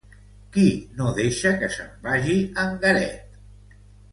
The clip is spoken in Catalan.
Qui no deixa que se'n vagi en Garet?